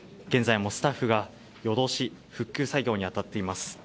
現在もスタッフが夜通し復旧作業にあたっています。